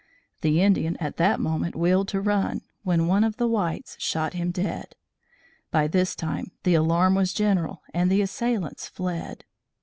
The Indian at that moment wheeled to run, when one of the whites shot him dead. By this time the alarm was general and the assailants fled.